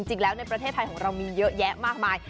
จริงแล้วในประเทศไทยของเรามีเยอะแยะมากมาย